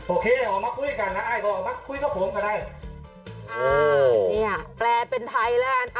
โอเคเอามาคุยกันนะอายก็เอามาคุยกับผมกับได้อ้าวเนี้ยแปลเป็นไทยแล้ว